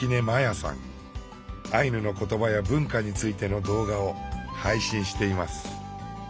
アイヌの言葉や文化についての動画を配信しています。